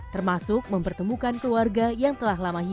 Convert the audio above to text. termasuk mempertemukan keluarga yang telah lama hidup